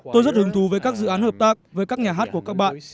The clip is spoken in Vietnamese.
tôi rất hứng thú với các dự án hợp tác với các nhà hát của các bạn